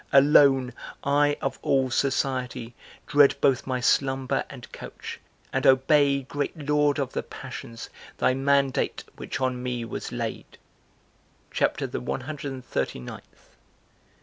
Alone, I of all Society dread both my slumber and couch, and obey Great Lord of the Passions, thy mandate which on me was laid." CHAPTER THE ONE HUNDRED AND THIRTY NINTH.